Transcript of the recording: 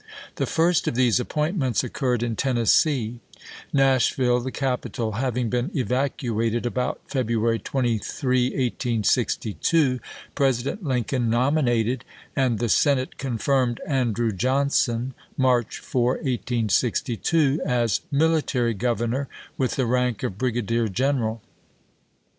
The first of these 1862. appointments occurred in Tennessee. Nashville, the capital, having been evacuated about February 23, 1862, President Lincoln nominated, and the Senate confirmed, Andrew Johnson (March 4, 1862) as military governor with the rank of brigadier general.